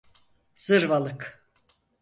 Zırvalık.